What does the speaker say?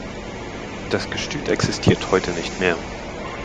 Das Gestüt existiert heute nicht mehr.